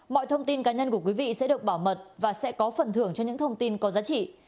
mọi thông tin cá nhân của quý vị sẽ được bảo mật và sẽ có phần thưởng cho những thông tin có giá trị